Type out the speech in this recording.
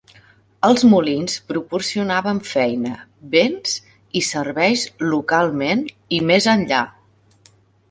Els molins proporcionaven feina, béns i serveis localment i més enllà.